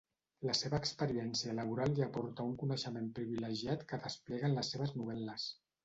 La seva experiència laboral li aporta un coneixement privilegiat que desplega en les seves novel·les.